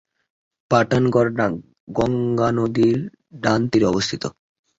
বাটানগর গঙ্গা নদীর ডান তীরে অবস্থিত।